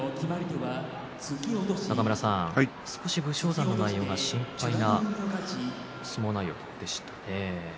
少し武将山の内容が心配な相撲内容でしたね。